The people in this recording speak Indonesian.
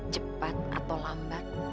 cepat atau lambat